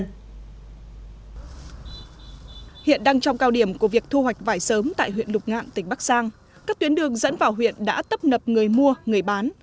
hiện đang trong cao điểm của việc thu hoạch vải sớm tại huyện lục ngạn tỉnh bắc giang các tuyến đường dẫn vào huyện đã tấp nập người mua người bán